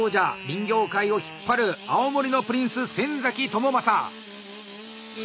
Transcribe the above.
林業界を引っ張る青森のプリンス・先倫正。